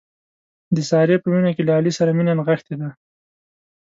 د سارې په وینه کې له علي سره مینه نغښتې ده.